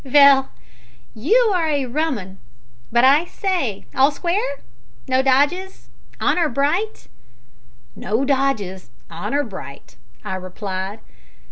"Vell, you are a rum 'un. But I say, all square? No dodges? Honour bright?" "No dodges. Honour bright," I replied.